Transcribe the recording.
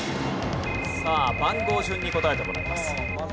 さあ番号順に答えてもらいます。